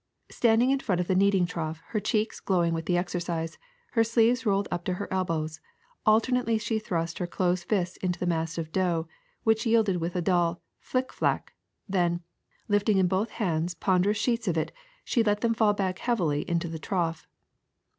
Standing in front of the kneading trough, her cheeks glowing with the exercise, her sleeves rolled up to her elbows, alternately she thrust her closed fists into the mass of dough, which yielded with a dull flic flac, then, lifting in both hands ponderous sheets of it, she let them fall back heavily into the trough.